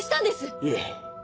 いえ。